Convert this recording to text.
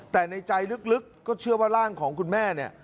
แต่ในใจลึกก็เชื่อว่าร่างของคุณแม่เนี่ย